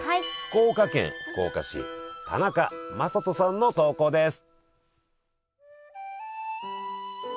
福岡県福岡市田中雅人さんの投稿です。